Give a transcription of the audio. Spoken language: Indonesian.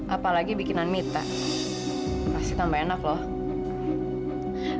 apalagi bikinan mita pasti tambah enak loh